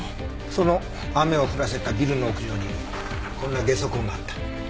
その雨を降らせたビルの屋上にこんなゲソ痕があった。